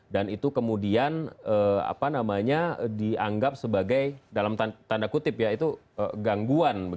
dan itu kemudian dianggap sebagai dalam tanda kutip ya itu gangguan